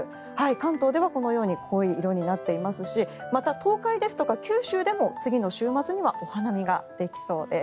関東ではこのように濃い色になっていますしまた、東海ですとか九州でも次の週末にはお花見ができそうです。